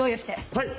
はい！